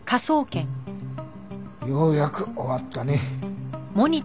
ようやく終わったね。